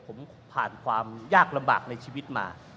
ผมผ่านความยากลำบากในชีวิตมา